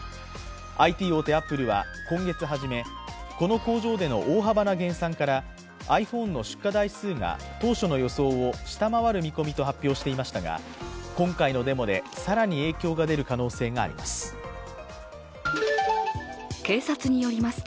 ＩＴ大手アップルは今月初めこの工場での大幅な減産からｉＰｈｏｎｅの出荷台数が当初の予想を下回る見込みと発表していましたが、今回のデモで更に影響が出る可能性があります。